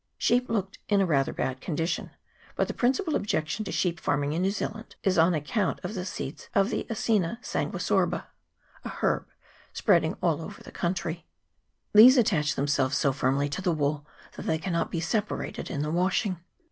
Sheep looked in a rather bad condition ; but the principal objection to sheep farming in New Zea land is on account of the seeds of the Acoena san guisorba, a herb spreading all over the country : these attach themselves so firmly to the wool, that they cannot be separated in the washing.